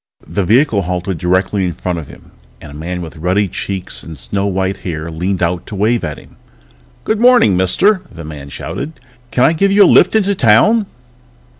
The vehicle halted directly in front of him and a man with ruddy cheeks and snow white hair leaned out to wave at him. "Good morning, mister!" the man shouted. "Can I give you a lift into town?"